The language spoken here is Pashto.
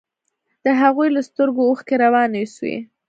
د هغوى له سترگو اوښکې روانې سوې.